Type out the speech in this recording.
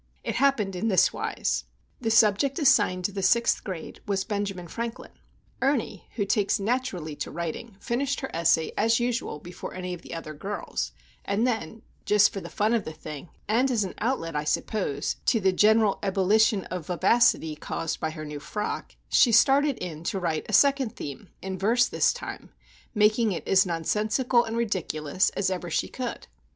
It happened in this wise. The subject assigned the Sixth Grade was Benjamin Franklin. Ernie, who takes naturally to writing, finished her essay as usual before any of the other girls; and then, just for the fun of the thing, and as an outlet, I suppose, to the general ebullition of vivacity caused by her new frock, she started in to write a second theme, in verse this time, making it as nonsensical and ridiculous as ever she could.